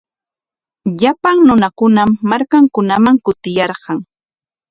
Llapan runakunam markankunaman kutiyarqan.